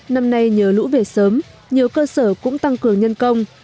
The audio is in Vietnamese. năm nay nhờ lũ về sớm nhiều cơ sở cũng tăng cường nhân công